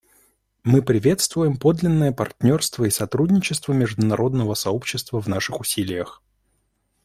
Мы приветствуем подлинное партнерство и сотрудничество международного сообщества в наших усилиях.